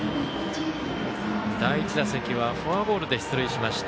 第１打席はフォアボールで出塁しました。